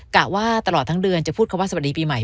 กะว่าตลอดทั้งเดือนจะพูดคำว่าสวัสดีปีใหม่